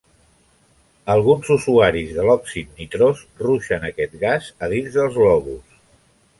Alguns usuaris de l'òxid nitrós ruixen aquest gas a dins dels globus.